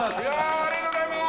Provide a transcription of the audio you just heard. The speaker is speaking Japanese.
おめでとうございます。